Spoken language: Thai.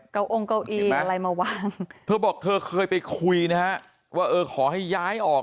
เก้าองเก้าอี้อะไรมาวางเธอบอกเธอเคยไปคุยนะฮะว่าเออขอให้ย้ายออก